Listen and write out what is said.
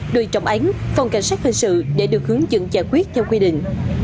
đùi trọng ánh phòng cảnh sát hình sự để được hướng dựng giải quyết theo quy định